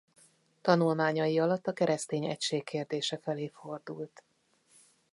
Tanulmányai alatt a keresztény egység kérdése felé fordult.